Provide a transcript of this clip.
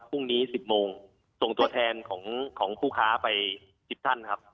พรุ่งนี้สิบโมงตรงตัวแทนของของผู้ค้าไปสิบท่านครับ